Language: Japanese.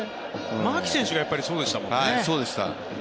牧選手がやはりそうでしたもんね。